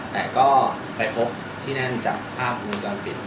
แต่ก็ไปพบที่นั่นจากภาพวงจรปิด